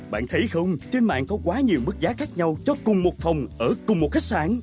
bạn thấy không trên mạng có quá nhiều mức giá khác nhau cho cùng một phòng ở cùng một khách sạn